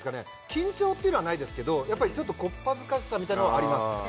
緊張っていうのはないですけどちょっとこっぱずかしさみたいなのはあります